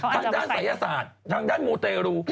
ทางด้านศัยศาสตร์ทางด้านมูเตรู